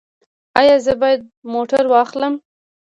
ایا زه باید موټر واخلم؟